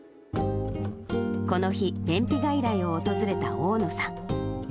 この日、便秘外来を訪れた大野さん。